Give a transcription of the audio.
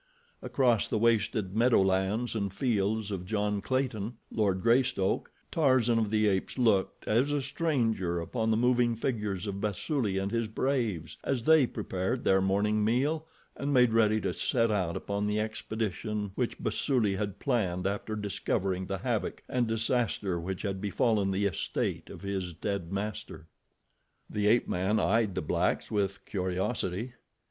Across the wasted meadowlands and fields of John Clayton, Lord Greystoke, Tarzan of the Apes looked, as a stranger, upon the moving figures of Basuli and his braves as they prepared their morning meal and made ready to set out upon the expedition which Basuli had planned after discovering the havoc and disaster which had befallen the estate of his dead master. The ape man eyed the blacks with curiosity.